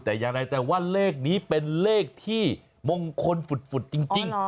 แต่อย่างไรแต่ว่าเลขนี้เป็นเลขที่มงคลฝุดจริง